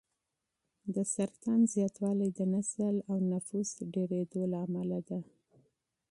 د سرطان زیاتوالی د نسل او نفوس ډېرېدو له امله دی.